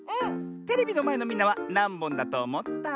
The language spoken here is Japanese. テレビのまえのみんなはなんぼんだとおもった？